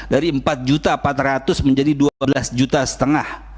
dari empat empat ratus menjadi dua belas juta setengah